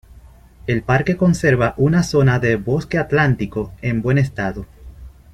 El parque conserva una zona de Bosque Atlántico en buen estado.